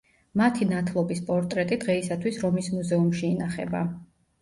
მათი ნათლობის პორტრეტი დღეისათვის რომის მუზეუმში ინახება.